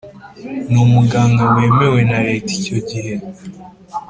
N umuganga wemewe na leta icyo gihe